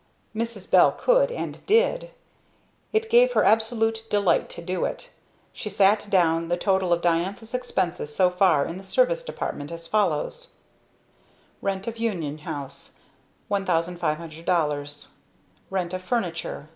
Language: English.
Mrs. Bell could and did; it gave her absolute delight to do it. She set down the total of Diantha's expenses so far in the Service Department, as follows: Rent of Union House $1,500 Rent of furniture................... $300 One payment on furniture............